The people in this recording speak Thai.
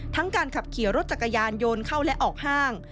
การขับขี่รถจักรยานโยนเข้าและออกห้าง